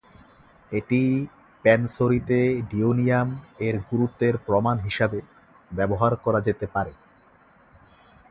এটি "প্যানসোরি"তে "ডিওনিয়াম" এর গুরুত্বের প্রমাণ হিসাবে ব্যবহার করা যেতে পারে।